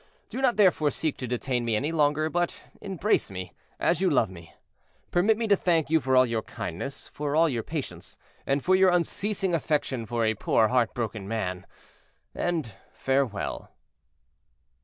Do not therefore seek to detain me any longer, but embrace me, as you love me. Permit me to thank you for all your kindness, for all your patience, and for your unceasing affection for a poor heart broken man, and farewell!"